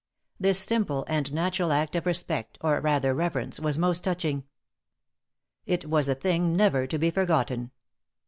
This simple and natural act of respect, or rather reverence, was most touching. It was a thing never to be forgotten.